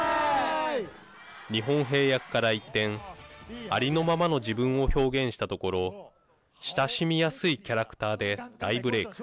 日本兵役から一転ありのままの自分を表現したところ親しみやすいキャラクターで大ブレーク。